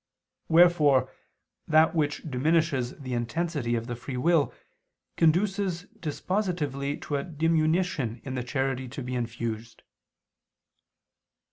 Wherefore that which diminishes the intensity of the free will conduces dispositively to a diminution in the charity to be infused.